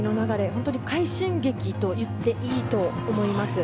本当に快進撃と言っていいと思います。